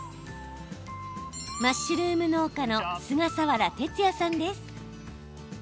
マッシュルーム農家の菅佐原徹哉さんです。